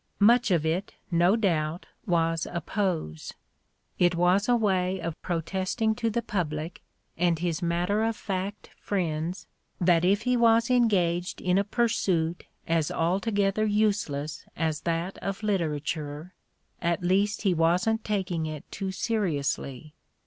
Much of it, no doubt, was a pose: it was a way of protesting to the public and his matter of fact friends that if he was engaged in a pursuit as altogether useless as that of literature, at least he wasn't taking it too seriously.